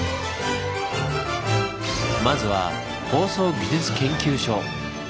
まずは放送技術研究所。